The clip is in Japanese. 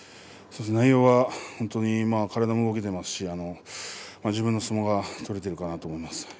内容は本当に体は動けていますし自分の相撲が取れているかなと思います。